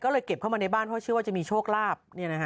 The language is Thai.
ก็เลยเก็บเข้ามาในบ้านเพราะเชื่อว่าจะมีโชคลาภ